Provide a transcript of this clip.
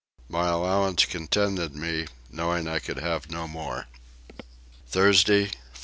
My allowance contented me, knowing that I could have no more. Thursday 4.